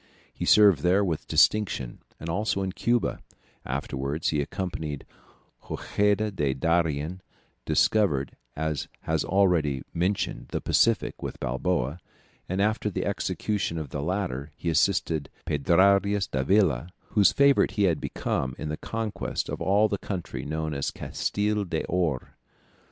He served there with distinction, and also in Cuba; afterwards he accompanied Hojeda to Darien, discovered, as has been already mentioned, the Pacific, with Balboa, and after the execution of the latter, he assisted Pedrarias Davila, whose favourite he had become, in the conquest of all the country known as Castille d'Or.